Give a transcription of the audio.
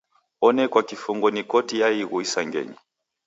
Onekwa kifungo ni Koti ya Ighu Isangenyi.